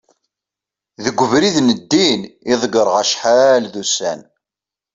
deg ubrid n ddin i ḍegreɣ acḥal d ussan